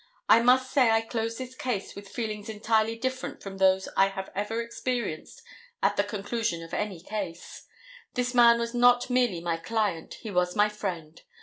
I must say I close this case with feelings entirely different from those I have ever experienced at the conclusion of any case. This man was not merely my client, he was my friend.